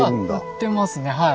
売ってますねはい。